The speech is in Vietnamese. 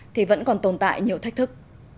thì vẫn còn tồn tại nhiều thách thức